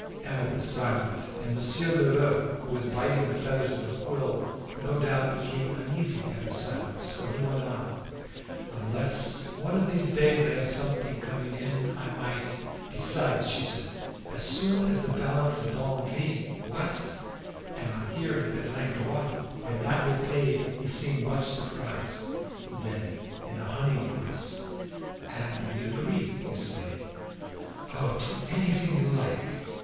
Emma was silent, and Monsieur Lheureux, who was biting the feathers of a quill, no doubt became uneasy at her silence, for he went on "Unless one of these days I have something coming in, I might " "Besides," said she, "as soon as the balance of Barneville " "What!" And on hearing that Langlois had not yet paid he seemed much surprised. Then in a honied voice "And we agree, you say?" "Oh! to anything you like."